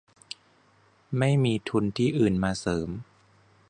ไม่มีทุนที่อื่นมาเสริม